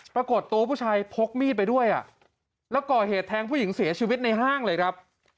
ปรากฏตัวผู้ชายพกมีดไปด้วยแล้วก่อเหตุแทงผู้หญิงเสียชีวิตในห้างเลยครับ